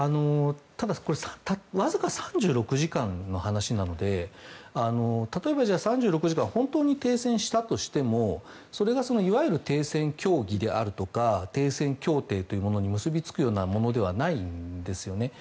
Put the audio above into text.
これわずか３６時間の話なので例えば３６時間本当に停戦したとしてもいわゆる停戦協議であるとか停戦協定というものに結びつくようなものではないんですね。